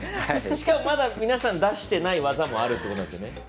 しかもまだ皆さん出してない技もあるということですね。